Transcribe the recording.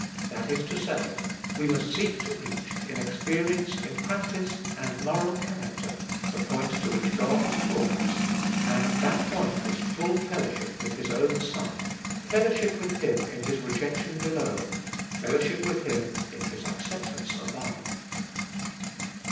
That is to say, we must seek to reach, in experience, in practice, and moral character, the point to which God has called us, and that point is full fellowship with his own Son, fellowship with him in his rejection below, fellowship with him in his acceptance above.